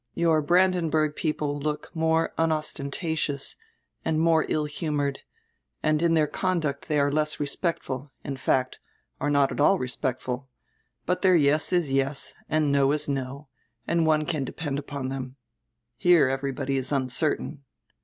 Your Branden burg people look more unostentatious and more ill humored, and in dieir conduct diey are less respectful, in fact, are not at all respectful, but dieir yes is yes and no is no, and one can depend upon diem. Here everybody is uncertain."